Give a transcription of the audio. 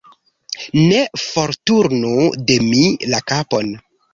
Ne forturnu de mi la kapon.